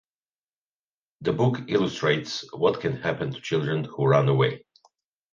The book illustrates what can happen to children who run away.